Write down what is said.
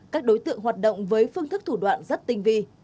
các đối tượng hoạt động với phương thức thủ đoạn rất tinh vi